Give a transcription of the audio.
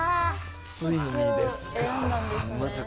ついにですか。